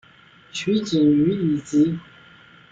取景于以及。